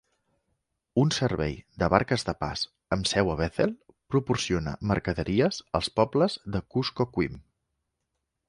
Un servei de barques de pas amb seu a Bethel proporciona mercaderies als pobles de Kuskokwim.